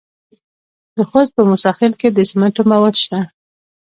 د خوست په موسی خیل کې د سمنټو مواد شته.